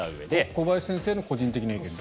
小林先生の個人的な意見。